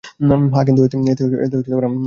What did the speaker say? হ্যাঁ, কিন্তু এতে আমাদের কী করার আছে?